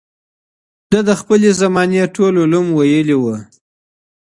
ده د خپلې زمانې ټول علوم لوستي وو